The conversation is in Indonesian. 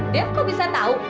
dev kau bisa tahu